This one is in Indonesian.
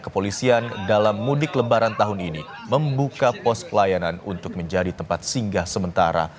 kepolisian dalam mudik lebaran tahun ini membuka pos pelayanan untuk menjadi tempat singgah sementara